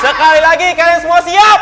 sekali lagi kalian semua siap